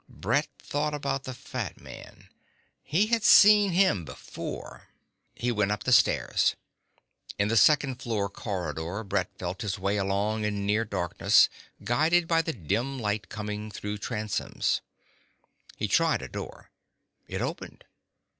Brett thought about the fat man. He had seen him before ... He went up the stairs. In the second floor corridor Brett felt his way along in near darkness, guided by the dim light coming through transoms. He tried a door. It opened.